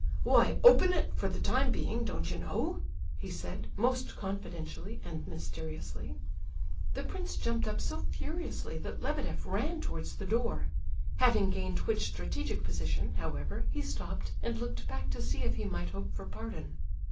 "Why, open it, for the time being, don't you know?" he said, most confidentially and mysteriously. The prince jumped up so furiously that Lebedeff ran towards the door; having gained which strategic position, however, he stopped and looked back to see if he might hope for pardon.